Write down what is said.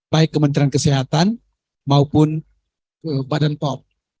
baik kementerian kesehatan maupun badan pom